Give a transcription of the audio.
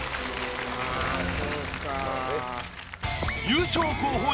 優勝候補